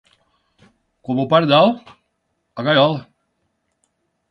Como o pardal, a gaiola.